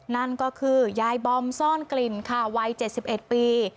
นั่นก็คือยายบอมซ่อนกลิ่นค่ะวัย๗๑ปี